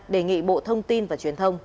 đề nghị bộ thông tin và truyền thông